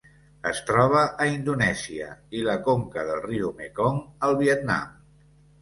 Es troba a Indonèsia i la conca del riu Mekong al Vietnam.